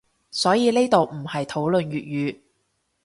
所以呢度唔係討論粵語